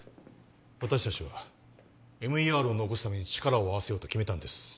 私達はＭＥＲを残すために力を合わせようと決めたんです